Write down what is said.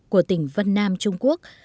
của tỉnh vân nam trung quốc